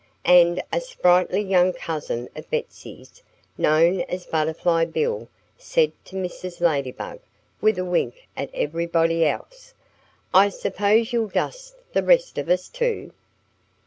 And a sprightly young cousin of Betsy's known as Butterfly Bill said to Mrs. Ladybug, with a wink at everybody else: "I suppose you'll dust the rest of us, too?"